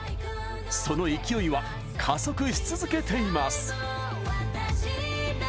その勢いは加速し続けています。